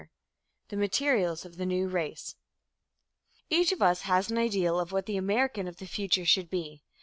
CHAPTER III THE MATERIALS OF THE NEW RACE Each of us has an ideal of what the American of the future should be.